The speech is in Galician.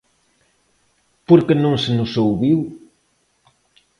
Por que non se nos ouviu?